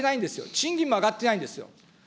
賃金も上がってないんですよ。